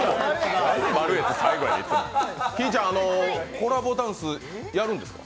コラボダンスやるんですか？